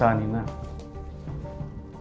tapi mau gimana lagi terpaksa nina